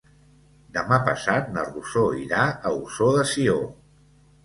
Demà passat na Rosó irà a Ossó de Sió.